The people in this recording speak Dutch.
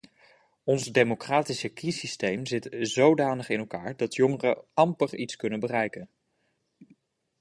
Ons democratische kiessysteem zit zodanig in elkaar dat jongeren amper iets kunnen bereiken.